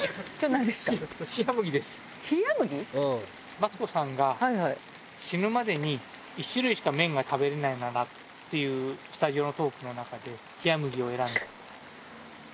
マツコさんが死ぬまでに１種類しか麺が食べれないならっていうスタジオのトークの中で冷麦を選んで。